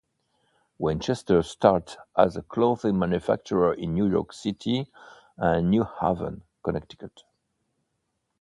Winchester started as a clothing manufacturer in New York City and New Haven, Connecticut.